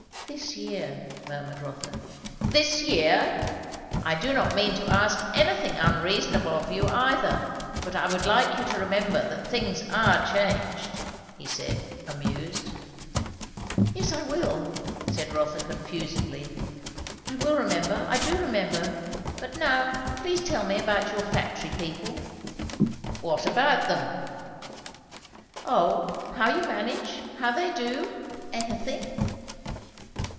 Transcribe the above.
"This year " murmured Rotha. "This year! I do not mean to ask anything unreasonable of you either; but I would like you to remember that things are changed," he said, amused. "Yes, I will," said Rotha confusedly "I will remember; I do remember, but now please tell me about your factory people." "What about them?" "O, how you manage; how they do; anything!"